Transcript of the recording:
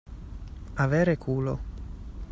Avere culo.